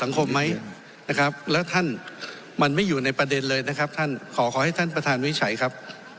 ไหมนะครับแล้วท่านมันไม่อยู่ในประเด็นเลยนะครับท่านขอขอให้ท่านประธานวิจัยครับ